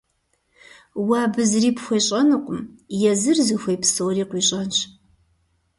Уэ абы зыри пхуещӏэнукъым, езыр зыхуей псори къуищӏэнщ.